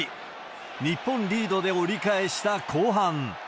日本リードで折り返した後半。